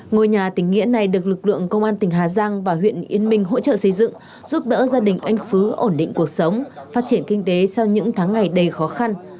ngôi nhà tỉnh nghĩa này được lực lượng công an tỉnh hà giang và huyện yên minh hỗ trợ xây dựng giúp đỡ gia đình anh phứ ổn định cuộc sống phát triển kinh tế sau những tháng ngày đầy khó khăn